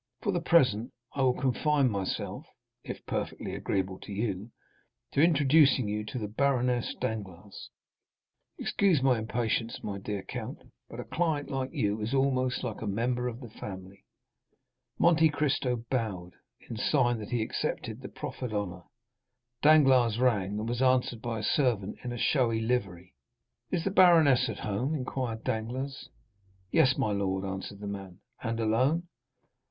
For the present, I will confine myself (if perfectly agreeable to you) to introducing you to the Baroness Danglars—excuse my impatience, my dear count, but a client like you is almost like a member of the family." Monte Cristo bowed, in sign that he accepted the proffered honor; Danglars rang and was answered by a servant in a showy livery. "Is the baroness at home?" inquired Danglars. "Yes, my lord," answered the man. "And alone?"